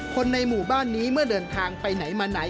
คนในหมู่บ้านนี้เมื่อเดินทางไปไหนมาไหน